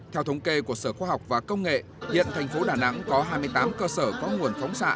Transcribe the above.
theo thống kê của sở khoa học và công nghệ hiện thành phố đà nẵng có hai mươi tám cơ sở có nguồn phóng xạ